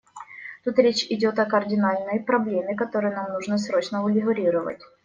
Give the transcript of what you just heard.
Тут речь идет о кардинальной проблеме, которую нам нужно срочно урегулировать.